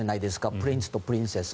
プリンスとプリンセス。